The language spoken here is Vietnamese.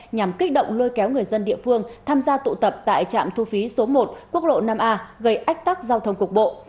nhằm kích động lôi kéo người dân địa phương tham gia tụ tập tại trạm thu phí số một quốc lộ năm a gây ách tắc giao thông cục bộ